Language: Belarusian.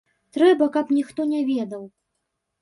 Трэба, каб ніхто не ведаў.